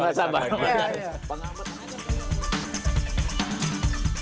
udah nggak sabar